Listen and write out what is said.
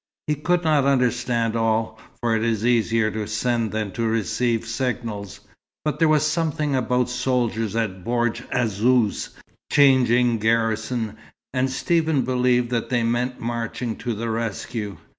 He could not understand all, for it is easier to send than to receive signals; but there was something about soldiers at Bordj Azzouz, changing garrison, and Stephen believed that they meant marching to the rescue.